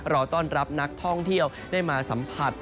รอต้อนรับนักท่องเที่ยวได้มาสัมผัส